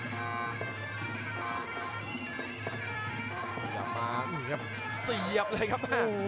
สียับมาสียับเลยครับ